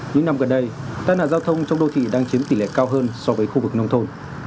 những năm gần đây tai nạn giao thông trong đô thị đang chiếm tỷ lệ cao hơn so với khu vực nông thôn